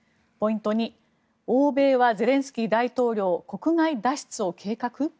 ポイント２、欧米はゼレンスキー大統領国外脱出を計画？